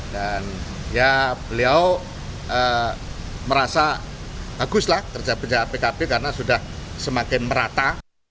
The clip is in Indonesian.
dan ya beliau merasa bagus lah kerja kerja pkb karena sudah semakin merata